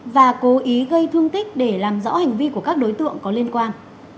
và cố ý gây thương tích để làm rõ hành vi của các đối tượng có liên quan